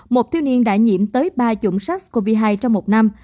một thiếu niên đã nhiễm tới ba chủng sars cov hai trong một năm